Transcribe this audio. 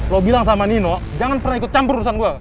lo bilang sama nino jangan pernah ikut campur urusan gue